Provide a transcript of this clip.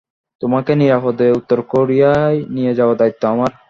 তোমাকে নিরাপদে উত্তর কোরিয়ায় নিয়ে যাওয়ার দায়িত্ব আমার।